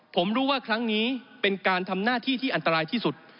ผมรู้ว่าครั้งนี้เป็นการทำหน้าที่ที่อันตรายที่สุด